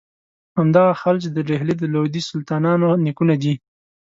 همدغه خلج د ډهلي د لودي سلطانانو نیکونه دي.